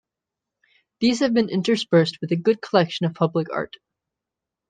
These have been interspersed with a good collection of public art.